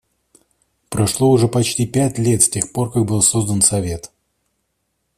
Прошло уже почти пять лет с тех пор, как был создан Совет.